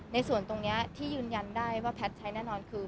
ในส่วนตรงนี้ที่ยืนยันได้ว่าแพทย์ใช้แน่นอนคือ